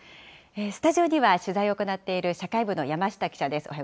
スタジオには取材を行っている社会部の山下記者です。